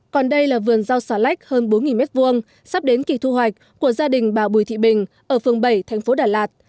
còn đây là vườn rau xà lách hơn bốn m hai sắp đến kỳ thu hoạch của gia đình bà bùi thị bình ở phường bảy thành phố đà lạt